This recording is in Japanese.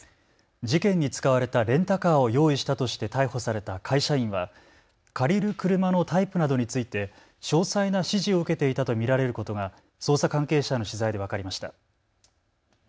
事件に使われたレンタカーを用意したとして逮捕された会社員は借りる車のタイプなどについて詳細な指示を受けていたと見られることが捜査関係者への取材で分かりました。